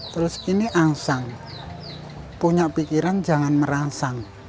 terus ini angsang punya pikiran jangan merangsang